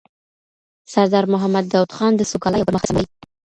سردار محمد داود خان د سوکالۍ او پرمختګ سمبول دی.